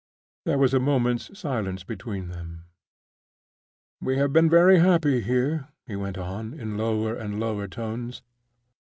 There was a moment's silence between them. "We have been very happy here," he went on, in lower and lower tones.